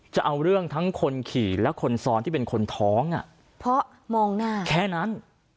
จะเอาเรื่องทั้งคนขี่และคนซ้อนที่เป็นคนท้องอ่ะเพราะมองหน้าแค่นั้น